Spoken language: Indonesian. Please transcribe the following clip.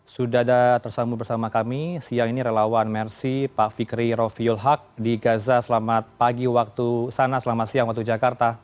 sudah ada tersambung bersama kami siang ini relawan mersi pak fikri rofiul haq di gaza selamat pagi waktu sana selamat siang waktu jakarta